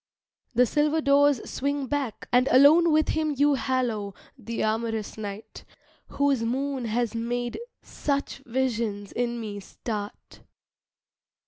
The silver doors swing back And alone with him you hallow The amorous night whose moon has made Such visions in me start.